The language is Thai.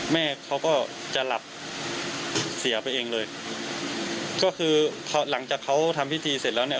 แม่เขาก็จะหลับเสียไปเองเลยก็คือพอหลังจากเขาทำพิธีเสร็จแล้วเนี่ย